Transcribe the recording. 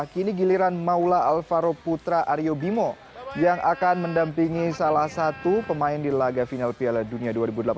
kini giliran maula alvaro putra aryo bimo yang akan mendampingi salah satu pemain di laga final piala dunia dua ribu delapan belas